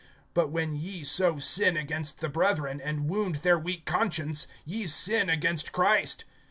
(12)But when ye so sin against the brethren, and wound their weak conscience, ye sin against Christ.